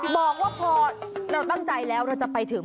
บอกว่าพอเราตั้งใจแล้วเราจะไปถึง